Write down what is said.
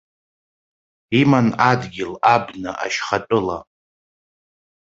Иман адгьыл, абна, ашьхатәыла.